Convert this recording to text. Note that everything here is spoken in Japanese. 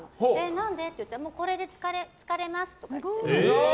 何で？って言ったらこれで浸かれますとかって。